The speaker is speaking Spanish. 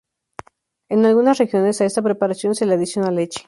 En algunas regiones, a esta preparación se le adiciona leche.